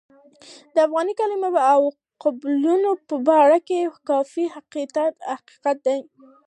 د افغان کلمې او قبایلو په باره کې کافي تحقیقات شوي.